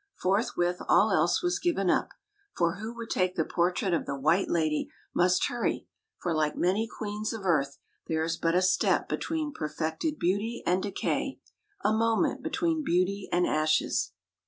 Forthwith all else was given up: for who would take the portrait of the white lady must hurry; for, like many queens of earth, there is but a step between perfected beauty and decay, a moment between beauty and ashes.